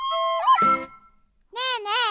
ねえねえ！